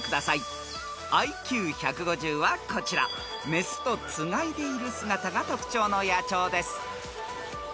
［雌とつがいでいる姿が特徴の野鳥です］